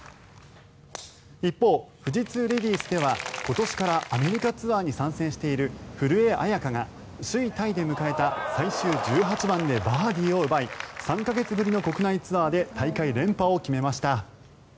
一方、富士通レディースでは今年からアメリカツアーに参戦している古江彩佳が首位タイで迎えた最終１８番でバーディーを奪い３か月ぶりの国内ツアーで大会連覇を決めました。